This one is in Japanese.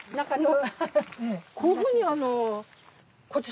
こういうふうにそうね。